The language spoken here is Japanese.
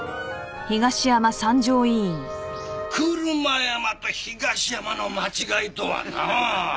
車山と東山の間違いとはな。